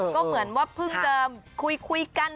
ก็เหมือนว่าเพิ่งจะคุยกัน